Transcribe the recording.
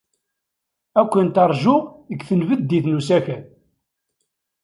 Ad kent-ṛjuɣ deg tenbeddit n usakal.